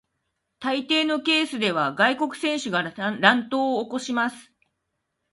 大抵のケースでは外国人選手が乱闘を起こします。